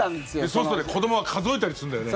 そうすると子どもは数えたりするんだよね。